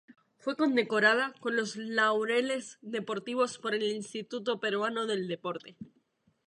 Fue condecorada con los Laureles Deportivos por el Instituto Peruano del Deporte.